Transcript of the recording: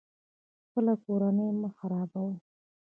خپله کورنۍ مه خرابوئ